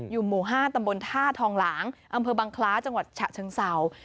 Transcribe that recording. หมู่๕ตำบลท่าทองหลางอำเภอบังคล้าจังหวัดฉะเชิงเศร้า